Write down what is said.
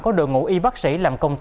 của đội ngũ y bác sĩ làm công ty